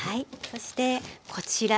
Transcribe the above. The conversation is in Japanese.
そしてこちら